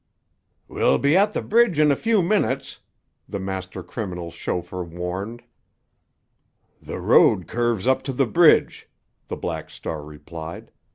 "We'll be at th' bridge in a few minutes," the master criminal's chauffeur warned. "The road curves up to the bridge," the Black Star replied.